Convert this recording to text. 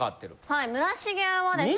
はい村重はですね。